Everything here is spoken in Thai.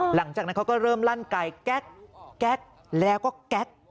หลังจากนั้นเขาก็เริ่มลั่นไกลแก๊กแล้วก็แก๊ก